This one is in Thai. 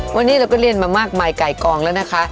วันนี้เราก็เรียนมามากมายไก่กองแล้วนะคะ